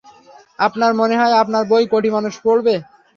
আপনার মনে হয়, আপনার বই কোটি মানুষ পড়বে?